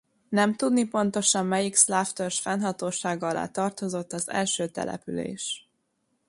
Nem tudni pontosan melyik szláv törzs fennhatósága alá tartozott az első település.